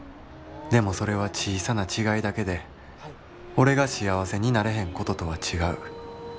でもそれは小さな違いだけで俺が幸せになれへんこととは違う」。